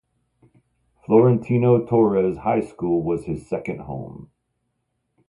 Florentino Torres High School was his second home.